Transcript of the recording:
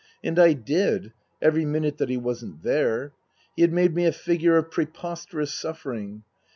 And I did every minute that he wasn't there. He had made me a figure of preposterous suffering.